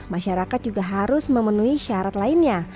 masyarakat juga harus memenuhi syarat lainnya